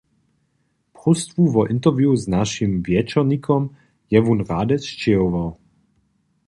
Próstwu wo interview z našim wječornikom je wón rady sćěhował.